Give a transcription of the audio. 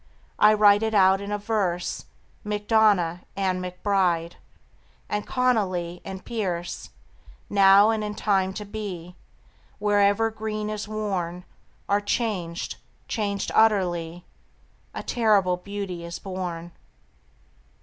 I write it out in a verse MacDonagh and MacBride And Connolly and Pearse Now and in time to be, Wherever green is worn, Are changed, changed utterly: A terrible beauty is born.